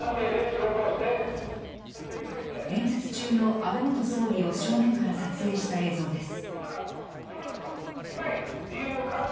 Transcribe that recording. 演説中の安倍元総理を正面から撮影した映像です。